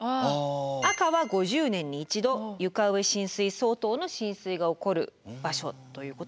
赤は５０年に１度床上浸水相当の浸水が起こる場所ということになるんですよね。